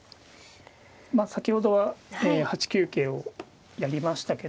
まあ先ほどは８九桂をやりましたけど。